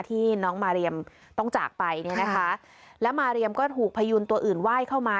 ที่น้องมาเรียมต้องจากไปเนี่ยนะคะแล้วมาเรียมก็ถูกพยูนตัวอื่นไหว้เข้ามา